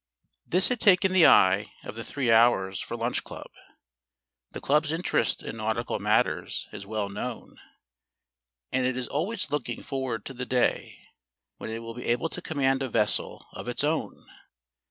This had taken the eye of the Three Hours for Lunch Club. The club's interest in nautical matters is well known and it is always looking forward to the day when it will be able to command a vessel of its own.